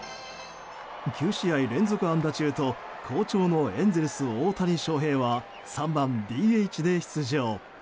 ９試合連続安打中と好調のエンゼルス、大谷翔平は３番ＤＨで出場。